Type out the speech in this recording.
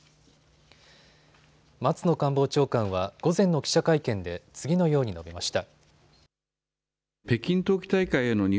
松野官房長官は午前の記者会見で次のように述べました。